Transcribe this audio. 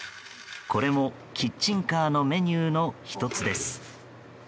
これもキッチンカーのメニューの１つです。